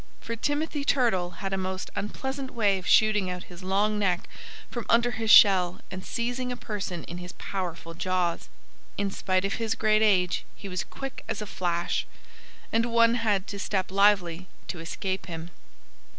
For Timothy Turtle had a most unpleasant way of shooting out his long neck from under his shell and seizing a person in his powerful jaws. In spite of his great age he was quick as a flash. And one had to step lively to escape him.